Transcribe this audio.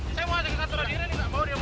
mau dia mau ajak ke kantor polsek